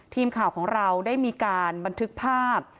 ทีมข่าวของเราได้มีการบันทึกภาพ